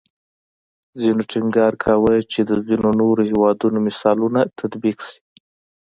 ځینو ټینګار کوو چې د ځینې نورو هیوادونو مثالونه تطبیق شي